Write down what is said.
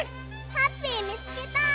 ハッピーみつけた！